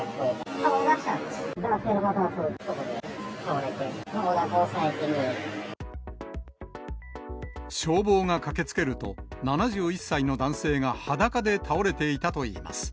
顔出したら、男性が倒れてて、消防が駆けつけると、７１歳の男性が裸で倒れていたといいます。